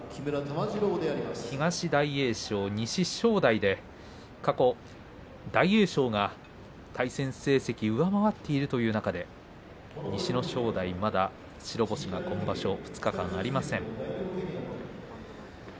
東大栄翔、西、正代過去、大栄翔が対戦成績上回っているという中で西の正代、まだ白星が今場所２日間がありません。